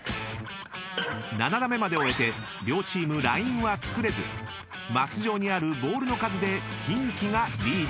［７打目まで終えて両チームラインはつくれずマス上にあるボールの数でキンキがリード］